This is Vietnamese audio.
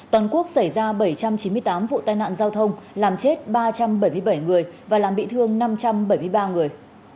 toàn quốc xảy ra bảy trăm chín mươi tám vụ tai nạn giao thông làm chết ba trăm bảy mươi bảy người và làm bị thương năm trăm bảy mươi ba người